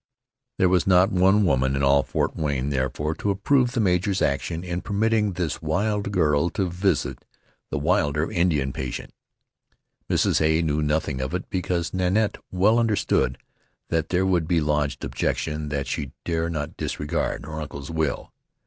There was not one woman in all Fort Frayne, therefore, to approve the major's action in permitting this wild girl to visit the wilder Indian patient. Mrs. Hay knew nothing of it because Nanette well understood that there would be lodged objection that she dare not disregard her uncle's will.